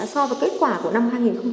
so với kết quả của năm hai nghìn một mươi tám